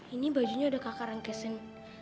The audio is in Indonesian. ini bajunya udah kakak rangkesin